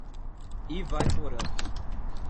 Ivaiporã